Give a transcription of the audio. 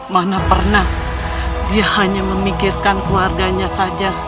mana pernah dia hanya memikirkan keluarganya saja